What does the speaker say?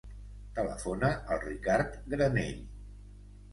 Telefona al Ricard Granell.